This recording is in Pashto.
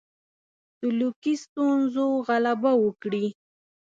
سلوکي ستونزو غلبه وکړي.